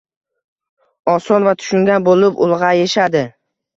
Oson va tushungan bo‘lib ulg‘ayishadi.